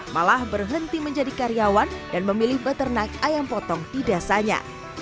malah berhenti menjadi karyawan dan memilih beternak ayam potong di desanya